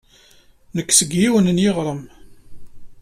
Nekk seg yiwen n yiɣrem.